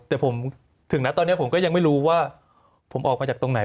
แต่ผมถึงนะตอนนี้ผมก็ยังไม่รู้ว่าผมออกมาจากตรงไหน